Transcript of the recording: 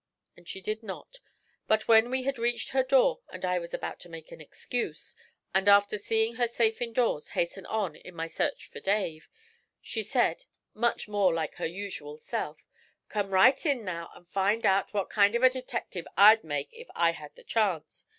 And she did not, but when we had reached her door and I was about to make an excuse, and after seeing her safe indoors hasten on in my search for Dave, she said, much more like her usual self: 'Come right in now and find out what kind of a detective I'd make if I had a chance.